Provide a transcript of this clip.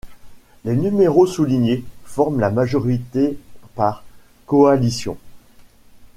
Les numéros soulignés forment la majorité par coalition.